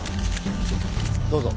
どうぞ。